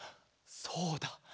そうだ！